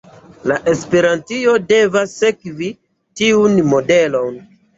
Esperantio devas sekvi tiun modelon.